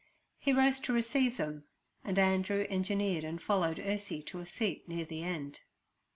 He rose to receive them, and Andrew engineered and followed Ursie to a seat near the end.